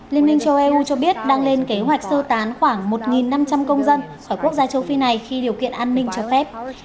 liên minh châu eu cho biết đang lên kế hoạch sơ tán khoảng một năm trăm linh công dân khỏi quốc gia châu phi này khi điều kiện an ninh cho phép